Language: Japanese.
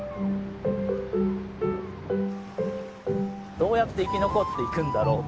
「どうやって生き残っていくんだろう」。